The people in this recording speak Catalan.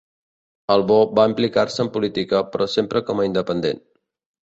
Albó va implicar-se en política però sempre com a independent.